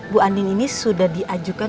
bu andin ini sudah diajukan